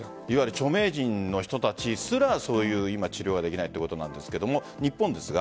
著名人の人たちすらそういう治療ができないということなんですが日本ですが。